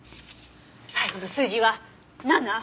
最後の数字は７！